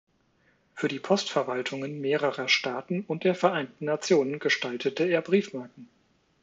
Für die Postverwaltungen mehrerer Staaten und der Vereinten Nationen gestaltete er Briefmarken.